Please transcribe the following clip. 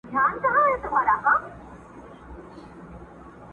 زما تر ټولو امیرانو معتبره٫